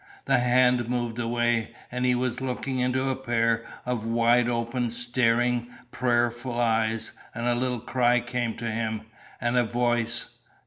The hand moved away, and he was looking into a pair of wide open, staring, prayerful eyes, and a little cry came to him, and a voice.